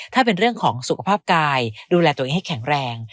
ถ้าเป็นเรื่องของสุขภาพกายดูแลตัวเองให้แข็งแรง